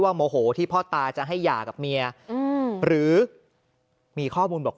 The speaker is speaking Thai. โมโหที่พ่อตาจะให้หย่ากับเมียหรือมีข้อมูลบอก